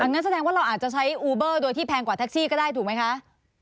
งั้นแสดงว่าเราอาจจะใช้อูเบอร์โดยที่แพงกว่าแท็กซี่ก็ได้ถูกไหมคะ